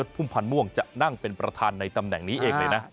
รถเอกสมยดภูมิภัณฑ์ม่วงจะนั่งเป็นประธานในตำแหน่งนี้เองเลยนะ